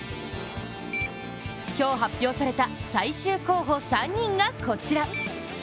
今日発表された最終候補３人がこちら。